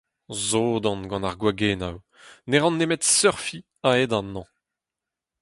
Sot on gant ar gwagennoù. Ne ran nemet seurfiñ a-hed an hañv.